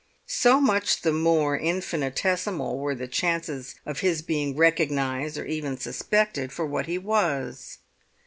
So much the more infinitesimal were the chances of his being recognised or even suspected for what he was.